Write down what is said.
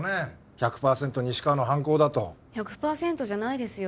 １００％西川の犯行だと１００％じゃないですよ